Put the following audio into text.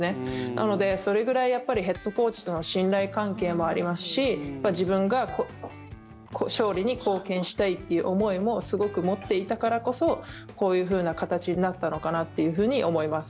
なので、それくらいヘッドコーチとの信頼関係もありますし自分が勝利に貢献したいという思いもすごく持っていたからこそこういうふうな形になったのかなっていうふうに思います。